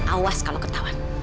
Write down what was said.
awas kalau ketahuan